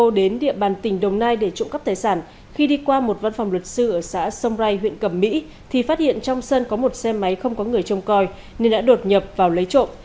khi đi đến địa bàn tỉnh đồng nai để trộm cắp tài sản khi đi qua một văn phòng luật sư ở xã sông rai huyện cầm mỹ thì phát hiện trong sân có một xe máy không có người trông coi nên đã đột nhập vào lấy trộm